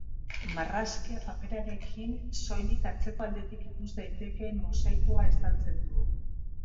Marrazkia paperarekin, soilik atzeko aldetik ikus daitekeen mosaikoa estaltzen du.